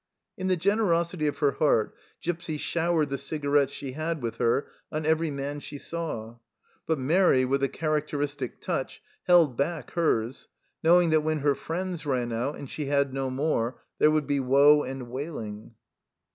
In the generosity of her heart Gipsy showered the cigarettes she had with her on every man she saw ; but Mairi, with a characteristic touch, held back hers, knowing that when her friend's ran out and she had no more there would be woe and wailing.